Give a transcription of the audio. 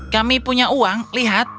kami punya uang lihat